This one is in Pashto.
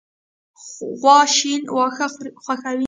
غوا شین واښه خوښوي.